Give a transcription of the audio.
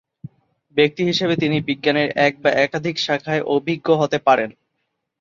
ব্যক্তি হিসেবে তিনি বিজ্ঞানের এক বা একাধিক শাখায় অভিজ্ঞ হতে পারেন।